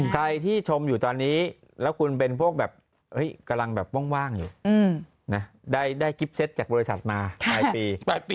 ใครที่ชมอยู่ตอนนี้แล้วคุณเป็นพวกแบบกำลังแบบว่างอยู่ได้กิ๊บเซตจากบริษัทมาปลายปี